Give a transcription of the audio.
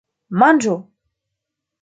Manĝu!